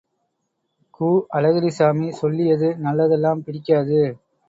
கு. அழகிரிசாமி சொல்லியது நல்லதெல்லாம் பிடிக்காது!